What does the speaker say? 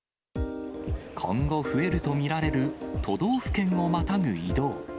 今後、増えると見られる都道府県をまたぐ移動。